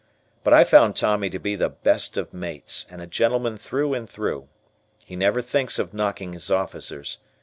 But I found Tommy to be the best of mates and a gentleman through and through. He never thinks of knocking his officers.